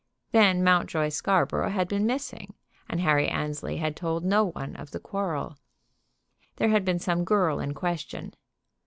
Then Mountjoy Scarborough had been missing, and Harry Annesley had told no one of the quarrel. There had been some girl in question.